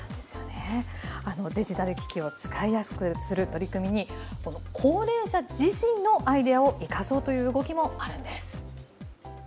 デジタル機器を使いやすくする取り組みにこの高齢者自身のアイデアを生かそうという動きもあるんです。